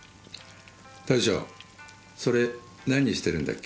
大将それ何してるんだっけ？